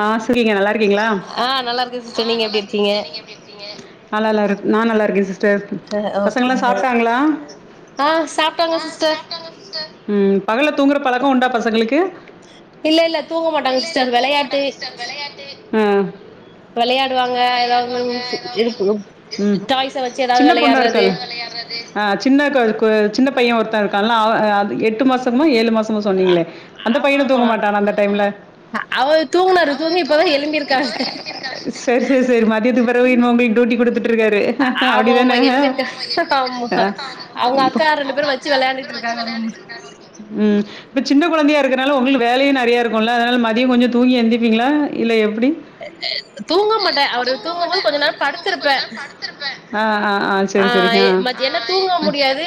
ஆ செரிங்க நல்லா இருக்கீங்களா ஆ நல்லா இருக்கே சிஸ்டர் நீங்க எப்டி இருக்கீங்க நா நல்லா இருக் நா நல்லாருக்கே சிஸ்டர் ஆ ஓகே பசங்கள்லா சாப்டாங்களா ஆ சாப்ட்டாங்க சிஸ்டர் ம் பகல்ல தூங்குற பழக்கோ உண்டா பசங்களுக்கு இல்லல்ல தூக்க மாட்டாங்க சி்ஸ்டர் வெளையாட் ஆ வெளையாடுவாங்க ஏதாவது இருக்கு ம் டாய்ஸ வச்சு ஏதாவது சின்ன பொண்ணா வெளையாடுறது இருக்கால்ல ஆ சின்ன சின்ன பைய ஒருத்த இருக்கான்ல்லா அவ அ அத் எட்டு மாசமோ ஏழு மாசமோ சொன்னீங்களே அந்த பையனு ஆமாம்மா தூங்க மாட்டானா அந்த டைம்ல அவுரு தூங்குனாரு தூங்கி இப்பதா எழும்பியிருக்காக சேர் சேர் சேர் மதியத்துக் பிறவு இன்னுமே டூட்டி குடுத்துட்ருக்காரு ஆமா ஆமா அப்டிதானே எழும்பிருக்கா ஆமா அவங்க அக்கா இப்பக் ரெண்டு பேரும் வச்சு வெளையாண்டுட்டு இருக்காங்க ரூம்ல உம் இப்ப சின்ன கொழந்தையா இருக்கனால உங்களுக் வேலையு நெறையா இருக்குல்ல அத்னால் மதிய கொஞ்சத் தூங்கி எந்திப்பீங்களா இல்ல எப்டி தூங்க மாட்டே அவரு தூங்க தூங்கும் மாட்டே போது கொஞ்ச அவரு நேரோ தூங்கும் போது கொஞ்ச படுத்திருப்பே நேர படுத்திருப்பே ஆ எ மதியான தூங்க முடியாது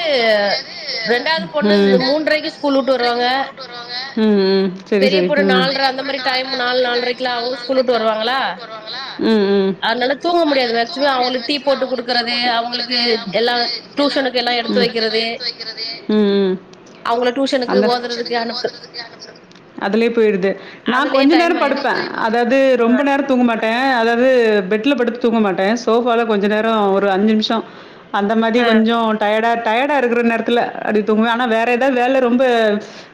ரெண்டாவது ம். பொண்ணு மூன்றைக்கு ஸ் ஸ்கூல் வுட்டு வருவாங்க ம், ம். சரி, பெரிய சரி. பொண்ணு ம். நாள்ற அந்த மாரி டைம் நாலு நால்ரைக்கலா அவங்க ஸ்கூல் விட்டு வருவாங்களா ம், ம். அத்னால தூங்க முடியாத் மேக்சிமம் அவுங்குளுக் டீ போட்டு குடுக்கறது அவங் குளுக்கு எல்லா டூசனுக்கு எல்லா எடுத்து வெக்கறது உம் ஓதுறதுக்கு அனுப்பு அதுலயே போயிடுது நான் அதுலயே கொஞ்ச நேர டைம் ஆயிரு படுப்பே அதாவது ரொம்ப நேர தூங்க மாட் டே அதாவது பெட்ல படுத் தூங்க மாட்டே சோஃபாவால கொஞ்ச நேரோ ஒரு அஞ்சு நிமிசோ அந்த மாறி ஆ கொஞ்சோ டயடா டயடா இருக்கிற நேரத்துல அப்டி தூங்குவே ஆனா வேற ஏதாவது வேல ரொம்ப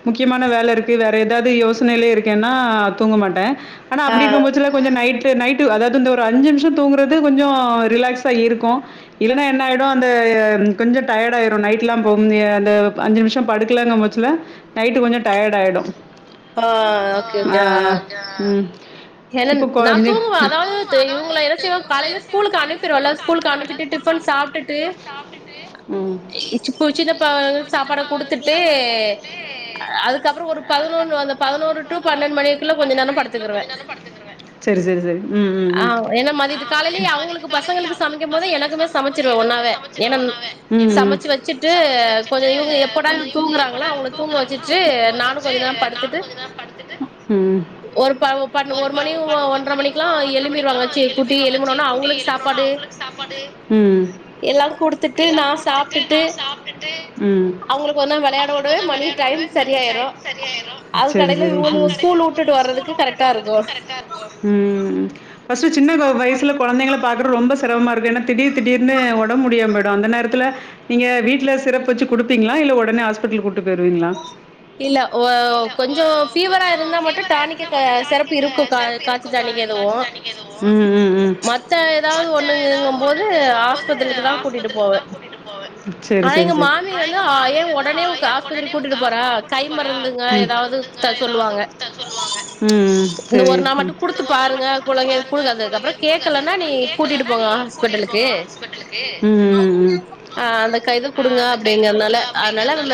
முக்கியமான வேல இருக்கு வேற ஏதாவது யோசனையிலே இருக்கேன்னா தூங்க மாட்டே ஆனா ஆ அப்டி இருக்கும்பச்ல கொஞ்ச நைட் நைட்டு அதாவது ஒரு அஞ்சு நிமிஷோ தூங்கறது கொஞ்சி ரிலாக்ஸ் ஆ இருக்கு இல்லன்னா என்ன ஆயிடு அந்த கொஞ்ச டயடா ஆயிடு நைட்லா போ [unintelligible] அஞ்சு நிமிஷோ படுக்கலாங்க முச்சல நைட் கொஞ்ச டயடாயிடு ஆ ஓக்கே ஆ [inaudible] [unintelligible] நா தூங்குவ அதாவது இவுங்கள என்ன செய்வ காலைல ஸ்கூலுக்கு அனுப்பிருவல்ல ஸ்கூலுக்கு அனுப்பிட்டு டிஃபன் சாப்டுட்டு ம் ம் [unintelligible] சாப்பாட குடுத்துட்டு அதுக்கப்புறோ ஒரு பதினொன் அந்த பதினோரு டு பன்னெண்ட் மணிக்குள்ள கொஞ்ச நேரோ படுத்துக்குவே சேரி சேரி சேரி ஆ ஏன்னா மதியத்து காலைலயே அவுங்குளுக்கு பசங்களுக்கு சமைக்கு போதே எனக்குமே சமைச்சிருவே ஒன்னாவே ஏனன் ம் ம் சமச்சு கொஞ்ச இவுங்க எப்போடான் தூங்குறாங்களோ அவங்கள தூங்க வெச்சிட்டு நானு கொஞ்ச நேர படுத் திட்டு ம் ஒரு பவு பட் ஒரு பவு பட் ஒரு மணி ஒன்றரை மணிக்குலா சி குட்டி எழும்பிடுவாங்க சி எழும்புனோன குட்டி அவங்களுக்கு எழும்படுனோன சாப்பாடு அவுங்குளுக் சாப்பாடு ம் ம் எல்லா குடுத்துட்டு நா சாப்ட்டுட்டு அவங்கள கொஞ்ச நேரோ வெளையாட விடவே மணி டைம் சரியாயிரு சேரி அதுக்கடையில சேரி இவங்கள ஸ்கூல் வுட்டுட்டு வர்றதுக்கு கரெக்டா இருக்கு உம் ஃபர்ஸ்ட்டு சின்ன கொ வயசுல கொழந்தைங்கள பாக்குர் ரொம்ப சிரமா இருக்கு ஏனா திடீர் திடீர்னு ஒடம்பு முடியாம போய்டு அந்த நேரத்துல நீங்க வீட்ல சிரப் வெச்சு குடுப்பீங்ளா இல்ல ஒடனே ஹாஸ்பிட்டலுக் கூட்டு போய்டுவீங்களா இல்ல வொ கொஞ்ச ஃபீவரா இருந்தா மட்டு டானிக்க சிறப்பு இருக்கு கா காய்ச்ச டானிக் எதுவு ம் ம் ம் மத்த எதாவது ஒண்ணுங்குங்கு போது ஆஸ்பத்தலுக்கு தா கூட்டிட்டு போவே சரி ஆனா எங்க சரி சரி மாமி வந்து ஏ உடனே கா திரிக்கு கூட்டிட்டு போற கை மருந்துங்க எதாவது சொல்லுவாங்க ம் ம் இந்த சரி ஒரு நாள் மட்டு ம் குடுத்து பாருங்க குழங்கை குடுக்காததுக்குப்பற கேக்கலனா நீ கூட்டிட்டு போங்க ஹாஸ்பிட்டலுக்கு ம் ம் ம் அ அந்த க இது கொடுங்க அப்டிங்கறனால அதனால நம்ம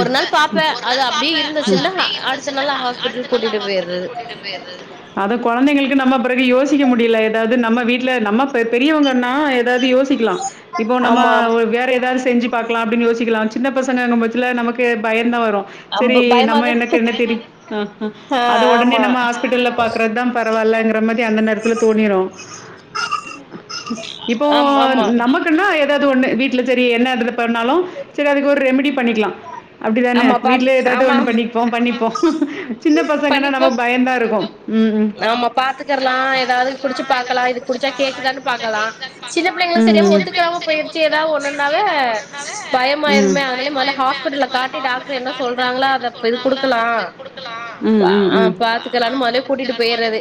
ஒரு நாள் பாப்பே அது அப்டியே இருந்துச்சுன்னா அடுத்த நாள் ஹாஸ்பிட்டலு கூட்டிட்டு போயிருது கூட்டு போய்றது அது கொழந்தைங்களுக்கு நம்ம பிறகு யோசிக்க முடியல எதாவது நம்ம வீட்டுல நம்ம பெரியவங்கனா எதாவது யோசி க்கலா இப்போ நம்ம ஆமா வேற எதாவது செஞ்சு பாக்கலா அப்டின்னு யோசிக்கலா சின்ன பசங்க பச்சல நமக்கு பயந்தா வரு செரி அம்பு நம்ம பயமாதா என்னக்கு என்ன தெரி ஹ ஹ ஆ அது உடனே ஆமா நம்ம ஹாஸ்பிட்டல்ல பாக்குறதுதா பரவால்லங்கிற மாரி அந்த நேரத்துல தோணிரு இப்போ ஆமா ஆமா நமக் க்குனா எதாவது ஒண்ணு வீட்ல செரி என்ன பன்னாலு செரி அதுக்கு ஒரு ரெமிடி பண்ணிக்கலா அப்டிதானே ஆமா பாத்து வீட்ல எதாவது ஆமா ஒன்னு ஆமா பண்ணிப்போ பண்ணிப்போ சின்ன பசங்கன்னா நம்ம பண்ணிப்போ பயம்தா இருக்கு ஆமா பாத்துக்கரலா எதாவது குடிச்சு பாக்கலா இது குடிச்சா கேக்குதானு பாக்கலா சின்ன பிள்ளைங்களு செரியாம ஒத்துக்காம போயிருச்சு எதாவது ஒண்ணுன்னாவே ம். பயமாயிருமே அதனால முதல ஹாஸ்பிட்டல் காட்டி டாக்டர் என்ன சொல்றாங்களோ அத இது குடுக்கலா ம், ம், ஆ ம். பாத்துக்கலான்னு முதலே கூட்டிட்டு போயிறது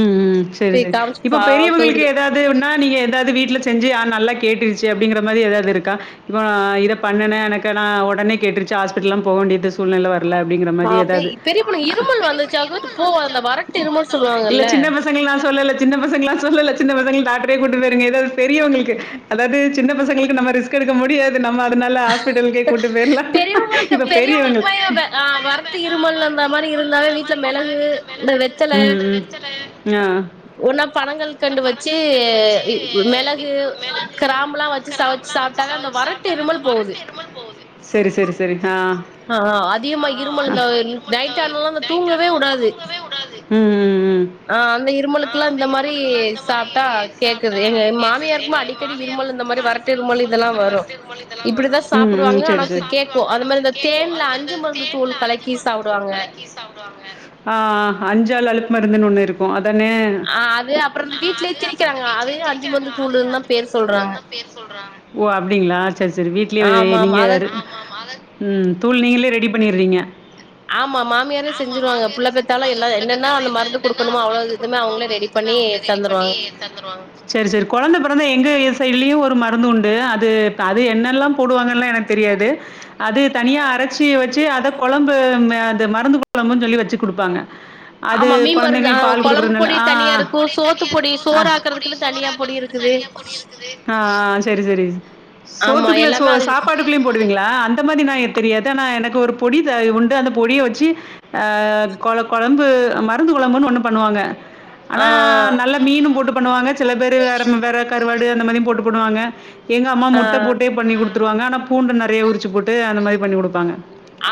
ம் ம் செரி போய் செரி காமிச்சு இப்ப பெரியவர்களுக்கு பாக்குறது எதாவது துன்னா நீங்க எதாவது வீட்ல செஞ்சு நல்லா கேட்டுருச்சு அப்டிங்கிற மாறி எதாவது இருக்கா இப்போ இத பண்ணுன எனக்கு நா உடனே கேட்டுருச்சு ஹாஸ்பிடல்லா போவேண்டியது சூழ்நிலை வரல அப்டிங்கிற ஆ மாரி ஏதாவது? பெரிய பொண்ணு இருமல் வந்துச்சா போ அந்த வரட்டு இருமல் இல்ல சொல்லுவாங்கல்ல சின்ன பசங்கள நா சொல்லல சின்ன பசங்களல்லா சொல்லல சின்ன பசங்க டாக்டரே கூட்டு போய்ருங்க எதாவது பெரியவங்களுக்கு அதாது சின்ன பசங்களுக்கு நம்ம ரிஸ் க் எடுக்க முடியாது நம்ம அதனால ஹாஸ்பிட்டலுக்கே கூட்டு போய்ரலா பெரியவங்களுக்கு இப்ப பெரியவங்க வரட்டு இருமல் இருந்த மாரி இருந்தாவே வீட்ல மிளகு இந்த வெத்தல ஆ ஒன்னா பணங்கற் கண்டு வச்சு மிளகு கிராம்பலாம் வச் ச்சு சமச்சு சாப்பிட்டாவே அந்த வறட்டு இருமல் போகுது செரி செரி செரி ஹ ஆஹ அதிகமா இருமல் இந்த நைட் ஆனாலா அது ஆகுது. தூங்கவே விடாது ம் ம் ம் ஆ அந்த இருமலுக்குல்லா இந்த மாறி சாப்ட்டா கேக்குது எங்க மாமியாருக்குமே அடிக்கடி இருமல் இந்த மாறி வர ட்டு இருமல் இதெல்லா வரு இப்டிதா ம், ம். சாப்புடுவாங்க சரி, ஆனா சரி. கேட்கு அதுமாறிதா தேன்ல அஞ்சு மருந்து தூள் கலக்கி சாப்டுவாங்க ஆ அஞ்சாள் அலப்பு மருந்துன்னு ஒண்ணு இருக்கு அதானே அ அது அப்பற இந்த வீட்லயே திரிக்கிறாங்க அதையு அஞ்சு மருந்து தூள்ன்னு தா பேர் சொல்றாங்க ஓ அப்டிங்களா சேரி சேரி வீட்லயே ஆமா ஆமா நீங்க அத ம் தூள் நீங்களே ரெடி பண்ணிறீங்க ஆம்மமா மாமியாரே செஞ்சுருவாங்க புள்ள பெத்தாலு எல்லா என்னென்னா அந்த மருந்து குடுக்கணமோ அவ்ளது இதுவுமே அவங்களே ரெடி பண்ணி தந்துடுவாங்க தந்துருவாங்க செரி செரி கொழந்தை பெறந்தா எங்க சைட்லயு ஒரு மருந்து உண்டு அது அது என்னெல்லா போடுவாங்கல்லா எனக்கு தெரியாது அது தனியா அரைச்சி வச்சு அத கொழம் பு அது மருந்து கொழம்பு சொல்லி வச்சு குடுப்பாங்க அது ஆமா மீன் மருந்து ஆ கொழந்தைங்களுக்கு பால் கொழம்பு குடுக்குறதுனால பொடி ஆ தனியா இருக்கு சோத்து பொடி அ சோறு ஆக்குறதுக்குன்னு தனியா பொடி இருக்குது அ ஆ செரி செரி ஆமா சோத்துக்குள்ள சோ எல்லாமே அது சாப்பாடு போடுவீங்களா அந்த மாறி நா தெரியாது ஆனா எனக்கு ஒரு பொடி உண்டு அந்த பொடிய வச்சு அ கொழ கொழம்பு மருந்து கொழம்புன்னு ஒண்ணு பண்ணுவாங்க ஆ ஆனா நல்லா மீனும் போட்டு பண்ணுவாங்க செல பேரு வேற வேற கருவாடு அந்த மாறியும் போட்டு பண்ணுவாங்க எங்கம்மா ஆ முட்ட போட்டே பண்ணி குடுத்துருவாங்க ஆனா பூண்டு நெறைய உரிச்சு போட்டு அந்த மாறி பண்ணி குடுப்பாங்க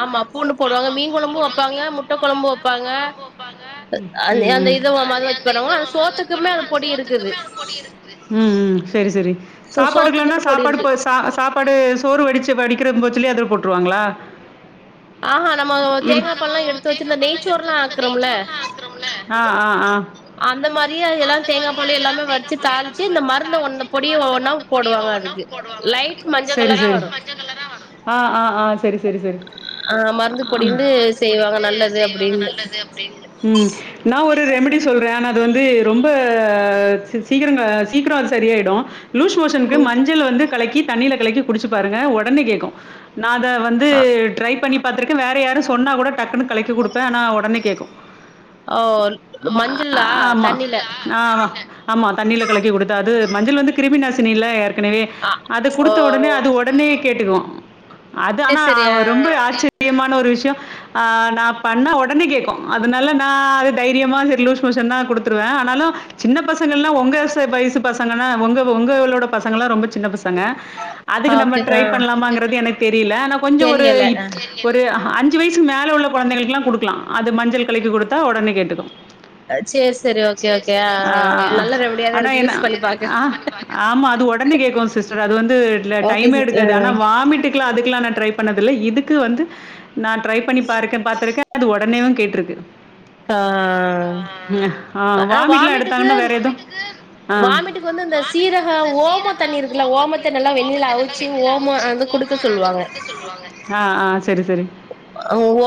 ஆமா பூண்டு போடுவாங்க மீன் கொழம்பு வப்பாங்க முட்ட கொழம்பு வப்பாங்க ம் அந்த அந்த ம் இத அது வச்சு பண்ணுவாங்க அந்த சோத்துக்குமே அந்த பொடி இருக்குது ம் ம் செரி செரி சோ சாப்பாடுக்கலானா சோத்துக்குன்னு பொடி சாப்பாடு இருக்கு போ சா சாப்பாடு சோறு வடிச்சு வடிக்கிறது போச்சிலே அதுல போட்ருவாங்களா ஆஹா நம்ம தேங்கா பால்ல்லா எடுத்து வச்சிருந்த நெய்ச்சோர்ல்லா ஆக்குறோம்ல ஆ ஆ ஆ அந்த மாறி எல்லாரு தேங்கா பால் எல்லாமே வடிச்சு தாளிச்சு இந்த மருந்த ஒன் பொடிய ஒன்னா போடுவாங்க அதுக்கு லைட் மஞ்ச செரி கலரா செரி வரு ஆ ஆ ஆ செரி செரி செரி ஆ மருந்து பொடிண்டு செய்வாங்க நல்லது அப்டின்டு ம் நா ஒரு ரெமிடி சொல்றே ஆனா அது வந்து ரொம்ப சீக்கிர சீக்கிர அது சரியாயிடு லூஷ் மோஷனுக்கு மஞ்சள் வந்து கலக்கி தண்ணியில கலக்கி குடிச்சு பாருங்க ஒடனே கேக்கு நான் அத வந்து ட்ரை பண்ணி பாத்திருக்கே வேற யாரு சொன்னா கூட டக்குன்னு களக்கி குடுப்பே ஆனா ஒடனே கேக்கு ஓ ஆ மஞ்சள்ல்லா ஆமா. தண்ணில ஆமா ஆமா தண்ணியில கலக்கி குடுத்தா அது மஞ்சள் வந்து கிருமி நாசினில்ல ஏற்கனவே ஆ அது ஓ குடுத்த ஒடனே அது ஒடனே கேட்டுக்குவா அது சேரி ஆனா சேரி அவ ஆ ரொம்ப ஆச்சர் யமான ஒரு விஷயோ ஆ நா பண்ணா ஒடனே கேக்கு அதனால நா அது தைரியமா சரி லூஷ் மோஷன் தா குடுத் ட்ருவே ஆனாலு சின்ன பசங்கல்லா உங்க ச வயசு பசங்கன்னா உங்க உங்கோட பசங்கல்லா ரொம்ப சின்ன பசங் க அதுக்கு ஆ நம்ம ஓகே ஆ ட்ரை பண்ணலாமாங்கறது எனக்கு தெரியல ஆனா கொஞ்ச ஒரு தெரியல இப் ஒரு அஞ்சு வயசுக்கு மேல உள்ள கொழந்தைங்களுக்குல்லா குடுக்கலா அது மஞ்சள் கழைக்கு கு குடுத்தா ஒடனே கேட்டுக்கு சேரி சேரி ஓகே ஓகே ஆ ஆ நல்ல ரெமடியாதா ஆனா இருக்கு என்ன யூஸ் பண்ணி பாக்குறே ஆ ஆமா அது ஒடனே கேக்கு சிஸ்டர் அது வந்து ஓகே டைமே எடுக்காது சிஸ்டர் ஆனா வாமிட்டு கலா அதுகெல்லா நா ட்ரை பண்ணதுல்ல இதுக் இக்கு வந்து நா ட்ரை பண்ணி பாருக்க பாத்துருக்கே அது ஒடனேயு கேட்ருக்கு ஆ ஆ ஆனா வாமிட்ல்லா வாமிட்டுக்கு எடுத்தாங்கன்னா வேற எதுவு வாமிட்டுக்கு வந்து இந்த சீரக ஓம தண்ணி இருக்குல்ல ஓமத்தண்ணி எல்லா வெண்ணில அவிச்சு ஓம அது குடு க்க சொல்லுவாங்க ஆ ஆ சரி சரி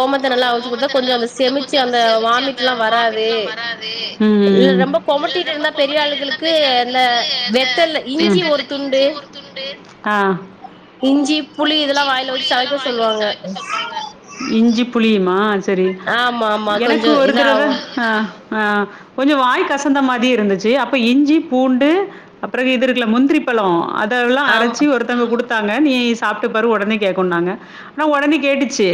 ஓமத்த நல்லா ம் அவிச்சு குடுத்தா ஓமத்த நல்ல கொஞ்சோ அந்த அவிச்சு குடுத்தா கொஞ்ச செமிச்சு அந்த செமிச்சு அந்த வாமிட்லா வராது வாமிட்ல்லா வராது இல்ல ரொம்ப இல் கொமட்டிட்டு ரொம்ப இருந்தா பெரிய கொமட்டிட்டு இருந்தா ஆளுகளுக்கு பெரிய அந்த ஆளுகளுக்கு அந்த வெத்தல்ல இஞ்சி ஒரு வெத்தல்ல துண்டு இஞ்சி ஒரு துண்டு ஆ இஞ்சி புளி இதெல்லா வாயில வச்சு சவைக்க சொல்லுவாங்க இஞ்சி புளியுமா சரி ஆமா ஆமா எனக்கு கொஞ்சோ இதாவு ஒருதுறதசவ ஆ அ கொஞ்ச வாய் கசந்த மாரி இருந்துச்சி அப்ப இஞ்சி பூண்டு அப்புற இது இருக்குல முந்திரி பழோ அதெல்லா ஆமா அரச்சி ஒருத்தங்க குடுத்தாங்க நீ சாப்ட்டு பாரு ஒடனே கேக்குன்னாங்க ஆனா ஒடனே கேட்டுச்சி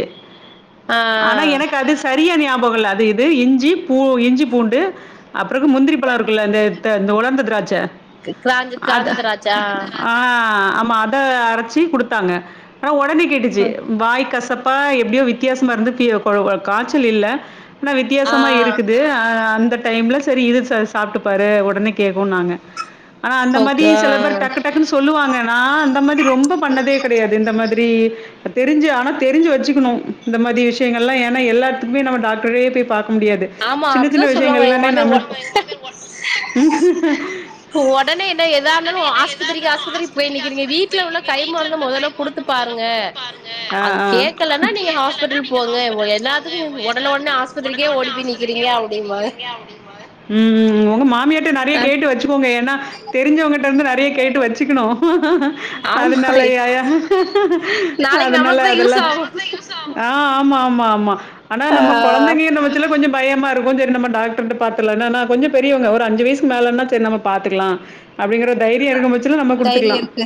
ஆ ஆனா எனக்கு அது சரிய ஞாபகோ இல்ல அது இது இஞ்சி பூ இஞ்சி பூண்டு அப்புறகு முந்திரி பழோ இருக்குல்ல இந்த த இந்த உலர்ந்த திராட்ச கிராஞ்சி காஞ்சி திராச்ச ஆ ஆமா அத அரச்சி குடுத்தாங்க ஆனா ஒடனே கேட்டுச்சி வாய் கசப் அப்ப எப்டியோ வித்யாசமா இருந்து கீ ப ஒ காச்சல் இல்ல ஆனால் ஆ வித்தியாசமா இருக்குது அந்த டைம்ல செரி இது சாப்பிட்டு பாாரு ஒடனே கே்குனாங்க ஆனா அந்த மாதி ஓகே ஆ சில பேர் டக்கு டக்குன் சொல்லுவாங்க நா அந்த மாரி ரொம்ப பண்ணதே கெடையாது இந்த மாதிரி இப்ப தெரிஞ்சி ஆனா தெரி்ஞ்சி வச்சிக்கனு இந்த மாரி விஷியங்கள்லா ஏனா எல்லாத்துக்குமே நம்ம டாக்டரே போய் பாக்க முடியாது ஆமா சின்ன அப்டிதா சின்ன விஷியங்கள் சொல்லுவாங்க எங்க எல்லாமோ நம்முளு மாமியார் ஒடனே என்ன எதா இருந்தாலு ஒடனே என்ன ஏதாது ஆஸ்பத்திரிக்கு போய் ஆஸ்பத்திரிக்கு நிக்கிறீங்க ஆஸ்பத்திரிக்கு வீட்ல உள்ள போய்ங்கிறீங்க கை வீட்ல மருந்த உள்ள கை மொதல்ல குடுத்து மருந்து மொதல்ல பாருங்க குடுத்து பாருங்க அது அது கேக்கலன்னா நீங்க கேக்கலனா ஹாஸ்பிட்டல் நீங்க போங்க ஹாஸ்பெட்டல் போங்க எல்லாத்துக்கு வ நீங்க ஒடனே ஒடனே என்னாத்துக்குங்க ஆஸ்பத்திரிக்கே ஓடி போய் நிக்கிறீங்க அப்டிம்பாங்க ம் ம் ஒங்க மாமியாட்ட நெறைய அ கேட்டு வச்சுக்கோங்க ஏனா தெரிஞ்சவங்கட்ட இருந்து நெறைய கேட்டு வச்சுக்கனு ஆமா அதனால ஏயா நாளைக்கு அதனால நமக்கு தா யூஸ் அதெல்லா ஆகு ஆ ஆமா ஆமா ஆமா ஆனா ஆ நம்ம கொழ கம்பெனியே இன்னு வச்சுல்ல கொஞ்ச பயமா இருக்கு செரி நம்ம டாக்டர்ட்ட பாத்தர்லானு ஆனா கொஞ்ச பெரியவங்க ஒரு அஞ்சி வயசுக்கு மேலனா செரி நம்ம பாத்துக்கலா அப்டிங்கற தைரிய இருக்கு பச்சல நம்ம குடுத்துக்கலா தைரியோ இருக்கு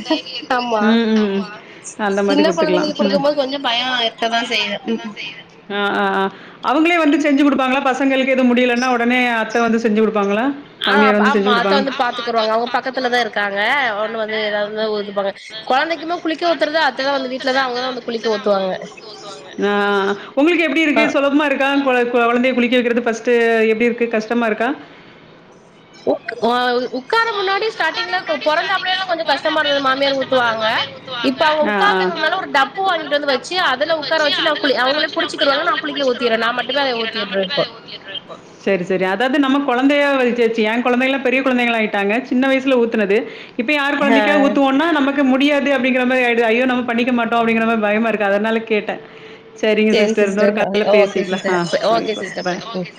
ஆமா ம் ம் ம் அந்த மாதி சின்ன குட்த் கொழந்தைங்களுக்கு குடுக்கு போது கொஞ்ச பயோ இருக்கதா செய்யு ம் ம் ஆ ஆ ஆ அவுங்களே வந்து செஞ்சி குடுப்பாங்ளா பசங்களுக்கு எது முடியலன்னா ஒடனே அத்த வந்து செஞ்சி குடுப்பாங்ளா ஆ அப் ஆமா அத்த வந்து பாத்துக்குறவங்க அவுங்க பக்கத்துல தா இருக்காங்க ஒன்னு வந்து ஏதாவதுனா ஒதுப்பாங்க கொழந்தைக்குமே குளிக்க ஊத்துறது அத் த்த தா வந்து வீட்லதா அவுங்க தா வந்து குளிக்க ஊத்துவாங்க ஆ தா கொழ கொழந்தைய குளிக்க வெக்கிறது ஃபஸ்ட்டு எப்டி இருக்கு கஷ்டமா இருக்கா ஒக் ஒ ஆ உ உக்கார முன்னாடி ஸ்டாடிங்ல கோ பொறந்த அப்படியெல்லா கொஞ்ச கஷ்டமா இருந்தது மாமியார் ஊத்துவாங்க இப்ப அவுங்க ஆ, ஆ. இப்ப உக்காந்துக்கறதுனால ஒரு டப்பு வாங்கிட்டு வந்து வச்சி அதுல அவங்க உக்கார வச்சி ந குளி அவுங்கள புடிச்சிகிருவாங்க நா குளிக்க ஊத்திரே நா மட்டுமே அத ஊத்திட்ரே இப்போ செரி செரி அதாவது நம்ம கொழந்தையா வச்சாச்சி ஏ கொழந்தைளா பெரிய கொழந்தைங்களா பெரிய கொழந்தைகளா ஆய்ட் டாங்க சின்ன வயசுல ஊத்துனது இப்ப யார் ஆ கொழந்தைக்கா ஊத்துவோனா நமக் கு முடியாது அப்டிங்கிற மாரி ஆய்டுது ஐயோ நம்ம பண்ணிக்க மாட்டோ அப்டிங்கிற மாரி பயமா இருக்கு அதனால கேட்ட சரிங்க சேரி சிஸ்டர் இன்னொரு கால்ல ஓகே பேசிட்லா சிஸ்டர் ஆ ஓகே சிஸ்டர் ம் பாய்